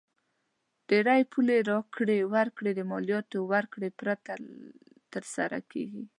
ډېری پولي راکړې ورکړې د مالیاتو ورکړې پرته تر سره کیږي.